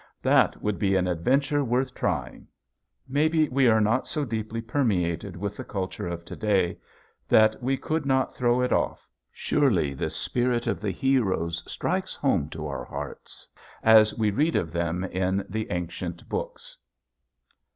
That would be an adventure worth trying! Maybe we are not so deeply permeated with the culture of to day that we could not throw it off. Surely the spirit of the heroes strikes home to our hearts as we read of them in the ancient books.